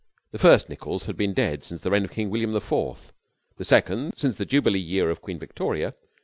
The first Nichols had been dead since the reign of King William the Fourth, the second since the jubilee year of Queen Victoria.